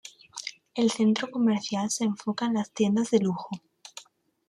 El centro comercial se enfoca en las tiendas de lujo.